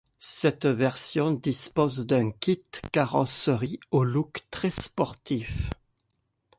Cette version dispose d'un kit carrosserie au look très sportif.